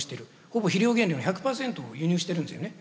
ほぼ肥料原料の１００％を輸入してるんですよね。